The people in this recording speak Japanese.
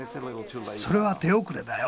それは手遅れだよ。